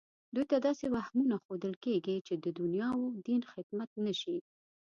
دوی ته داسې وهمونه ښودل کېږي چې د دنیا او دین خدمت نه شي